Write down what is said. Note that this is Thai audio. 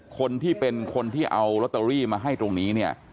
คนที่เป็นคนที่เอาลอตเตอรี่มาให้ตรงนี้เนี่ย